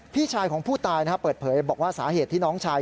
พี่ชายของผู้ตายเปิดเผยบอกว่าสาเหตุที่น้องชาย